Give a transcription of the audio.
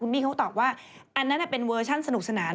มี่เขาตอบว่าอันนั้นเป็นเวอร์ชั่นสนุกสนาน